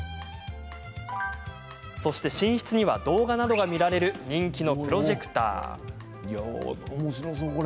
そして寝室には動画などが見られる人気のプロジェクター。